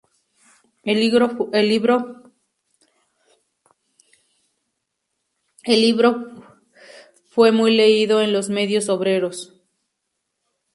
El libro fue muy leído en los medios obreros.